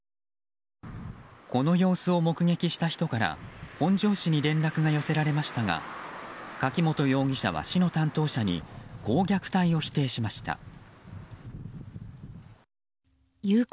この様子を目撃した人から本庄市に連絡が寄せられましたが柿本容疑者は市の担当者にこう虐待を否定しました。